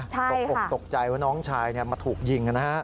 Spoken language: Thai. ตกอกตกใจว่าน้องชายมาถูกยิงนะฮะ